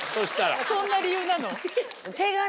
そんな理由なの？